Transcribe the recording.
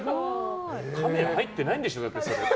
カメラ入ってないんでしょそれ。